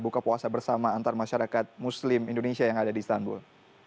buka puasa bersama antar masyarakat muslim indonesia yang ada di istanbul